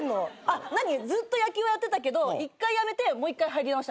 ずっと野球をやってたけど１回やめてもう１回入り直した？